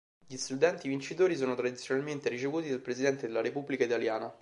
Gli studenti vincitori sono tradizionalmente ricevuti dal Presidente della Repubblica Italiana.